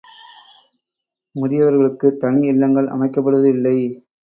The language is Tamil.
முதியவர்களுக்குத் தனி இல்லங்கள் அமைக்கப்படுவது இல்லை.